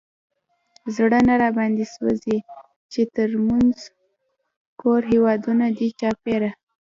زړه نه راباندې سوزي، چې تر مونږ کوم هېوادونه دي چاپېره